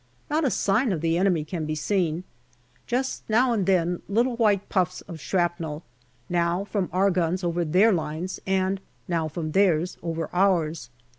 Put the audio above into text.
Not a sign of the enemy can be seen : just now and then little white puffs of shrapnel, now from our guns over their lines, and now from theirs over ours.